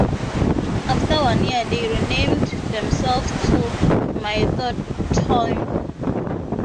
After one year, they renamed themselves to "Mithotyn".